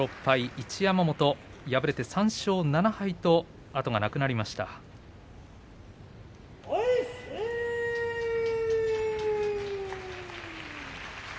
一山本、敗れて３勝７敗と後がなくなりました。